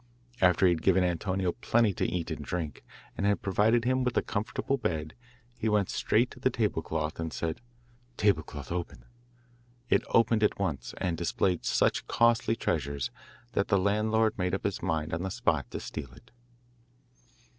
After he had given Antonio plenty to eat and drink, and had provided him with a comfortable bed, he went straight to the table cloth and said, 'Table cloth, open.' It opened at once, and displayed such costly treasures that the landlord made up his mind on the spot to steal it.